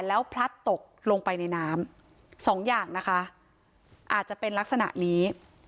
แล้วพลัดตกลงไปในน้ำสองอย่างนะคะอาจจะเป็นลักษณะนี้